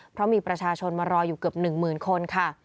เพราะมีประชาชนมารออยู่เกือบ๑๐๐๐คนค่ะ